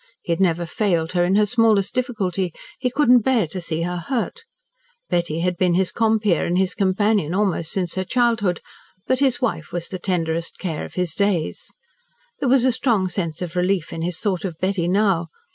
He had never failed her in her smallest difficulty, he could not bear to see her hurt. Betty had been his compeer and his companion almost since her childhood, but his wife was the tenderest care of his days. There was a strong sense of relief in his thought of Betty now.